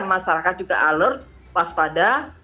masyarakat juga alert waspada